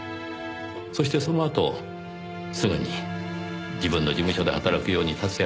そしてそのあとすぐに自分の事務所で働くように竜也くんを誘いました。